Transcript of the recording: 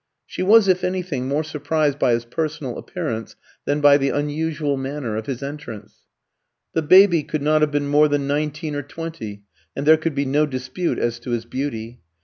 She was, if anything, more surprised by his personal appearance than by the unusual manner of his entrance. The baby could not have been more than nineteen or twenty, and there could be no dispute as to his beauty.